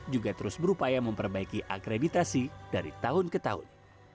juga terus berupaya memperbaiki akreditasi dari tahun ke tahun